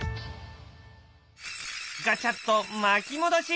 ガチャっと巻き戻し！